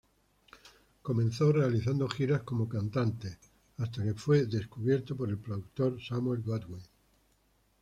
Comenzó realizando giras como cantantes, hasta que fue descubierto por el productor Samuel Goldwyn.